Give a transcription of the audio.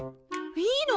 いいの？